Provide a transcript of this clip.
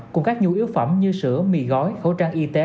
cùng các nhu yếu phẩm như sữa mì gói khẩu trang y tế